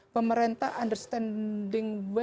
pemerintah understand data dan pemerintah yang ada di bps ini